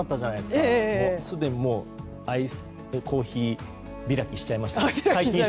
すでにアイスコーヒー開きしちゃいました。